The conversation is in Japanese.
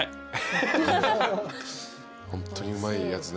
ホントにうまいやつね。